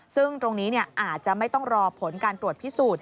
ซึ่งตรงนี้อาจจะไม่ต้องรอผลการตรวจพิสูจน์